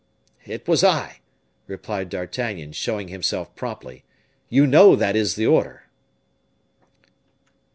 "It was I," replied D'Artagnan, showing himself promptly. "You know that is the order."